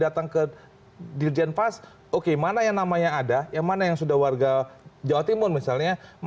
dan foto yang ada fotonya